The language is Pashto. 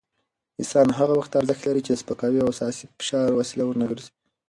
احسان هغه وخت ارزښت لري چې د سپکاوي او سياسي فشار وسیله ونه ګرځي.